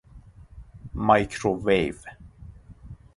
مایکروویو